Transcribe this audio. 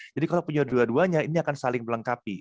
jadi kalau punya dua duanya ini akan saling melengkapi